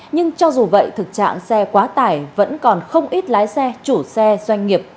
nhưng cho dù vậy thực trạng xe quá tải vẫn còn không ít lái xe chủ xe doanh nghiệp